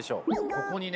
ここにね